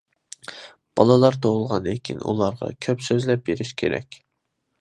بالىلار تۇغۇلغاندىن كېيىن ئۇلارغا كۆپ سۆزلەپ بېرىش كېرەك.